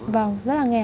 vâng rất là nghèo